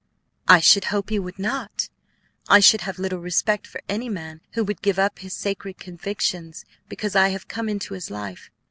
"I should hope he would not; I should have little respect for any man who would give up his sacred convictions because I have come into his life.